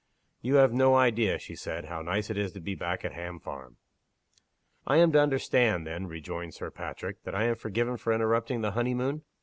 "You have no idea," she said, "how nice it is to be back at Ham Farm!" "I am to understand then," rejoined Sir Patrick, "that I am forgiven for interrupting the honey moon?"